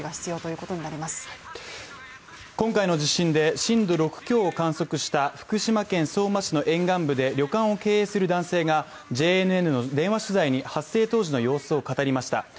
今回の地震で震度６強を観測した福島県相馬市の沿岸部で旅館を経営する男性が、ＪＮＮの電話取材に発生当時の様子を語りました。